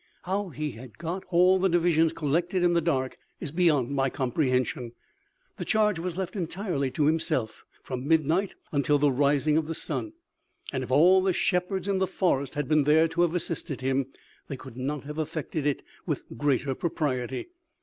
How he had got all the divisions collected in the dark, is beyond my comprehension. The charge was left entirely to himself, from midnight until the rising of the sun; and if all the shepherds in the forest had been there to have assisted him, they could not have effected it with greater propriety.